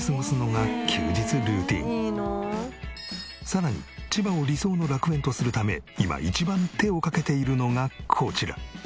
さらに千葉を理想の楽園とするため今一番手を掛けているのがこちら。